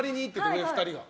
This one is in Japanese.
上の２人が。